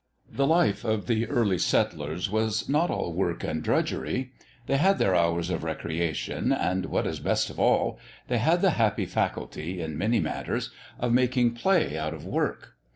The life of the early settlers was not all work and drudgery. They had their hours of recreation, and what is best of all, they had the happy faculty, in many matters, of making play out of work.